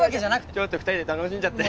ちょっと２人で楽しんじゃって。